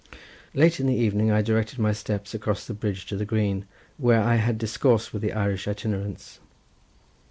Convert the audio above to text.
Late in the evening I directed my steps across the bridge to the green, where I had discoursed with the Irish itinerants.